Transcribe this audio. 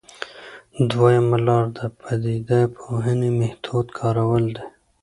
دویمه لاره د پدیده پوهنې میتود کارول دي.